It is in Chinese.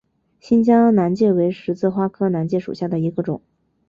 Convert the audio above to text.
新疆南芥为十字花科南芥属下的一个种。